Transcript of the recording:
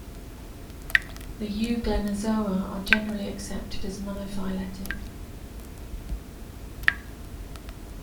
The euglenozoa are generally accepted as monophyletic.